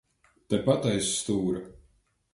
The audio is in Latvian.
Tepat aiz stūra.